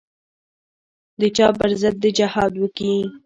د چا پر ضد دې جهاد وکي.